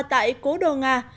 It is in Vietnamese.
tại cố đồ nga